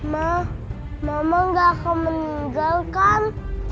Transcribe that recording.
ma mama nggak akan meninggalkan